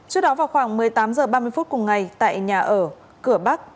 trước đó vào khoảng một mươi tám h ba mươi phút cùng ngày tại nhà ở cửa bắc